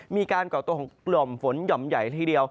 ก่อตัวของหล่อมฝนหย่อมใหญ่ละทีเดียว